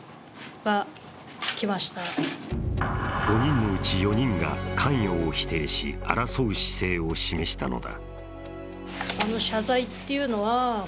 ５人のうち４人が関与を否定し争う姿勢を示したのだ。